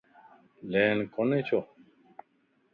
ليڻ ڪوني ڇو؟